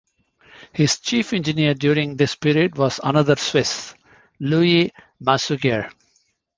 His chief engineer during this period was another Swiss, Louis Massuger.